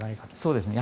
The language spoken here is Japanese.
そうですね。